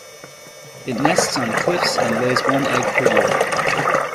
It nests on cliffs and lays one egg per year.